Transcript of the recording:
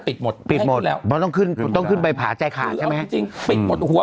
ปีชหมดไปหมดแล้วว่าต้องเคลื่อนต้องขึ้นใบปลาใจขาดใช่ไหมจริงไปหมดหัว